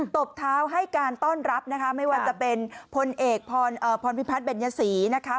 ตบเท้าให้การต้อนรับนะคะไม่ว่าจะเป็นพลเอกพรพิพัฒนเบญยศรีนะคะ